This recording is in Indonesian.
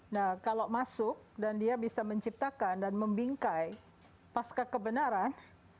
nah kalau masuk dan dia bisa menciptakan dan membingkai pasca kebenaran